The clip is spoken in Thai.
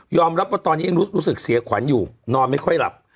รับว่าตอนนี้ยังรู้สึกเสียขวัญอยู่นอนไม่ค่อยหลับ